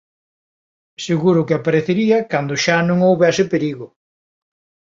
Seguro que aparecería cando xa non houbese perigo.